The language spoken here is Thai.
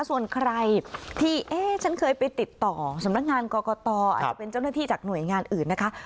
ส่วนใครที่เอ๊ะฉันเคยไปติดต่อสำนักงานกรกตอาจจะเป็นเจ้าหน้าที่จากหน่วยงานอื่นนะคะ